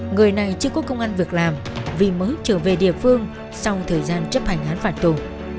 người này chưa có công an việc làm vì mới trở về địa phương sau thời gian chấp hành án phạt tù